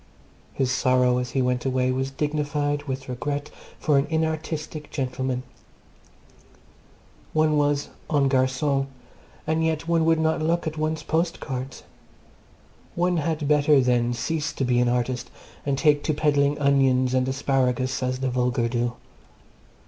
His sorrow as he went away was dignified with regret for an inartistic gentleman. One was en garçon, and yet one would not look at one's postcards! One had better then cease to be an artist and take to peddling onions and asparagus as the vulgar do.